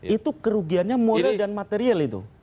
itu kerugiannya moral dan material itu